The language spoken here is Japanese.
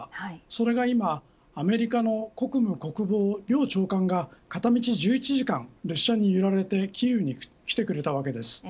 それが今アメリカの国務、国防両長官が片道１１時間、列車に揺られてキーウに来てくれたわけです。